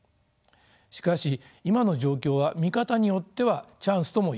しかし今の状況は見方によってはチャンスともいえます。